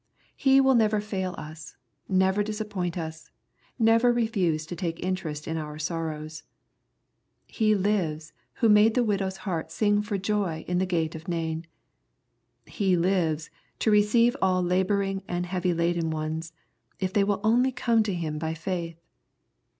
He will never fail us, never disappoint us, never refuse to take interest in our sorrows. He lives, who made the widow's heart sing for joy in the gate of Nain. He lives, to receive all laboring and heavy laden ones, if they will only come to Him by faith.